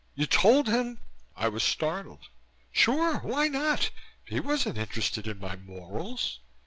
"You told him " I was startled. "Sure! Why not? He wasn't interested in my morals.